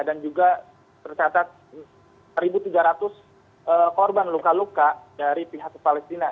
dan juga tersatat satu tiga ratus korban luka luka dari pihak palestina